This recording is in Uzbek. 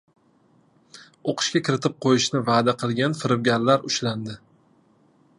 O‘qishga kiritib qo‘yishni va’da qilgan firibgarlar ushlandi